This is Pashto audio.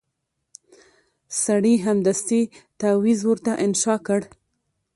سړي سمدستي تعویذ ورته انشاء کړ